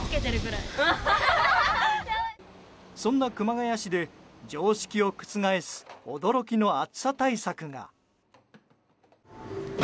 そんな熊谷市で常識を覆す驚きの暑さ対策が。